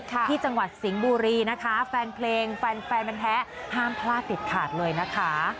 ที่จังหวัดสิงห์บุรีนะคะแฟนเพลงแฟนมันแท้ห้ามพลาดเด็ดขาดเลยนะคะ